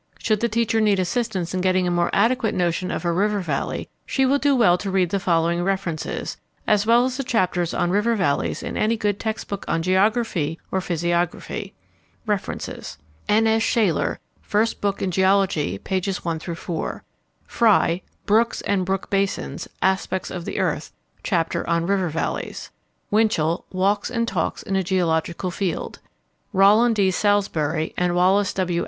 Should the teacher need assistance in getting a more adequate notion of a river valley, she will do well to read the following references, as well as the chapters on river valleys in any good textbook on geography or physiography. References: N. S. Shaler, First Book in Geology, pp. 1 4; Frye, Brooks and Brook Basins. Aspects of the Earth, chapter on "River Valleys." Winchell, Walks and Talks in a Geological Field. Rollin D. Salisbury and Wallace W.